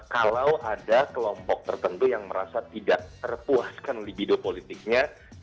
kalau ada kelompok tertentu yang merasa tidak terpuaskan libido politiknya